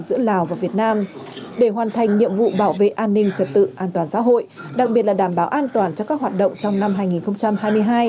giữa lào và việt nam để hoàn thành nhiệm vụ bảo vệ an ninh trật tự an toàn xã hội đặc biệt là đảm bảo an toàn cho các hoạt động trong năm hai nghìn hai mươi hai